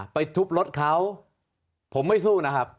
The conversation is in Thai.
ไปทุบรถเขาผมไม่สู้นะครับ